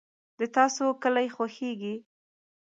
د تاسو کلي خوښیږي؟